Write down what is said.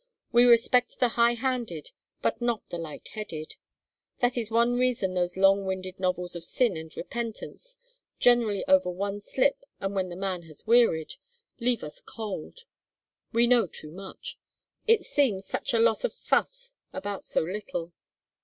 We respect the high handed but not the light headed. That is one reason those long winded novels of sin and repentance generally over one slip and when the man has wearied leave us cold. We know too much. It seems such a lot of fuss about so little.